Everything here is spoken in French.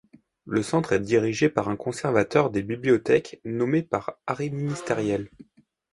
Le centre est dirigé par un conservateur des bibliothèques nommé par arrêté ministériel.